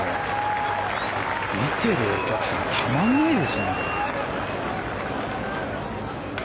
見てるお客さんたまらないですよ。